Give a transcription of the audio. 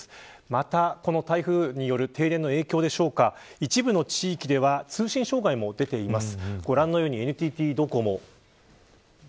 またこの台風による停電の影響でしょうか一部の地域では通信障害も出ています。